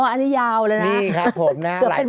อันนี้ยาวเลยนะ